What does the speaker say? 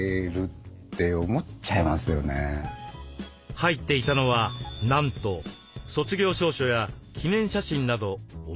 入っていたのはなんと卒業証書や記念写真など思い出の品ばかり。